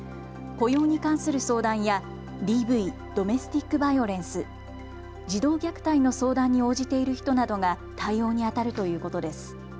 雇用に関する相談やＤＶ・ドメスティック・バイオレンス児童虐待の相談に応じている人などが対応にあたるということです。